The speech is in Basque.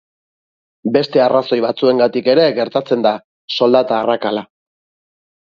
Beste arrazoi batzuengatik ere gertatzen da soldata arrakala.